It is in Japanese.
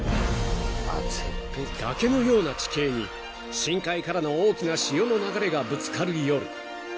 ［崖のような地形に深海からの大きな潮の流れがぶつかる夜］